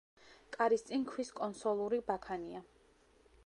კარის წინ ქვის კონსოლური ბაქანია.